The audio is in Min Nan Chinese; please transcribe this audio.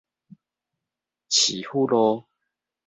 市府路